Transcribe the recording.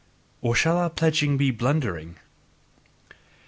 Or shall our pledging be blundering?"